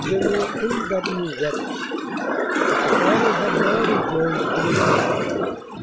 General N. W. Webber, but the latter had now rejoined the British Army.